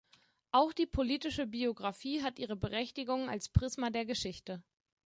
Auch die Politische Biographie hat ihre Berechtigung als Prisma der Geschichte.